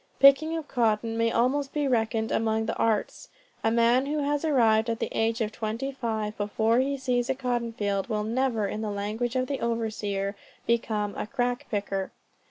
Picking of cotton may almost be reckoned among the arts. A man who has arrived at the age of twenty five before he sees a cotton field, will never, in the language of the overseer, become a crack picker.